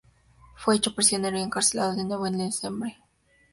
Fue hecho prisionero y encarcelado de nuevo en Lecumberri.